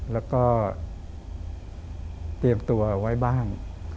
แล้วก็เตรียมตัวไว้บ้าง